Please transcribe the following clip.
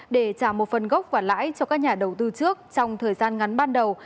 để trả một phần gốc và lãi cho các nhà đầu tư trước trong thời gian ngắn ban đầu